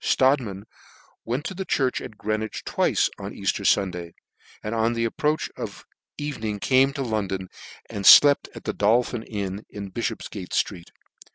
.Strodtman went to the church at Greenwich twice on Easier Sunday, and on the approach of evening came to London, and flept at the Dol phin inn, in Bifhopfgate ftreet.